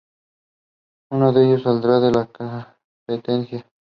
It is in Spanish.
Uno de ellos saldría de la competencia.